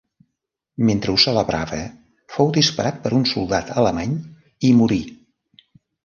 Mentre ho celebrava fou disparat per un soldat alemany i morí.